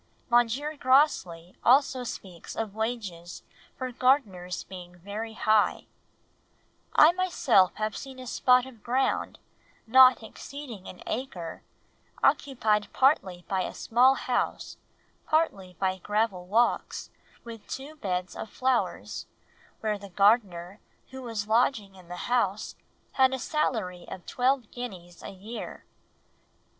M. Grosley also speaks of wages for gardeners being very high: "I have myself seen a spot of ground, not exceeding an acre, occupied partly by a small house, partly by gravel walks, with two beds of flowers, where the gardener, who was lodging in the house, had a salary of twelve guineas a year."